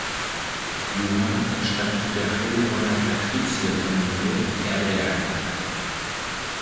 Johann entstammte der Heilbronner Patrizierfamilie Erer.